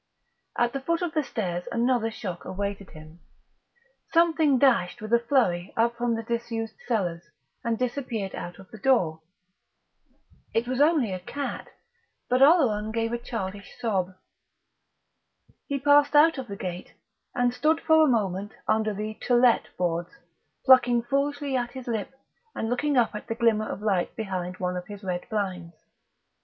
At the foot of the stairs another shock awaited him. Something dashed with a flurry up from the disused cellars and disappeared out of the door. It was only a cat, but Oleron gave a childish sob. He passed out of the gate, and stood for a moment under the "To Let" boards, plucking foolishly at his lip and looking up at the glimmer of light behind one of his red blinds.